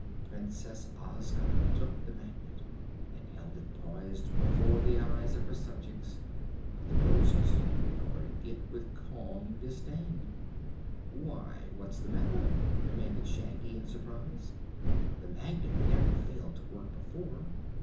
Princess Ozga took the Magnet and held it poised before the eyes of her subjects; but the Roses regarded it with calm disdain. "Why, what's the matter?" demanded Shaggy in surprise. "The Magnet never failed to work before!"